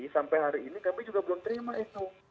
sampai hari ini kami juga belum terima itu